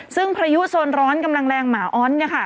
ซึ่งพยุดโซนร้อนกำลังแรงหมาอ้อน